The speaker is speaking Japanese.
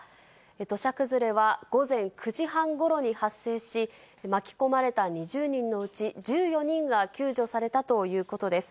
土砂崩れは午前９時半ごろに発生し、巻き込まれた２０人のうち、１４人が救助されたということです。